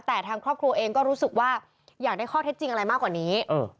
แต่ทางครอบครัวเองก็รู้สึกว่าอยากได้ข้อเท็จจริงอะไรมากกว่านี้